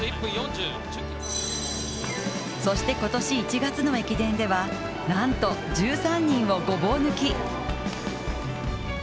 そして今年１月の駅伝ではなんと１３人をごぼう抜き。